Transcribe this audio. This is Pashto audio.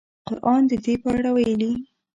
قران د دې په اړه ویلي.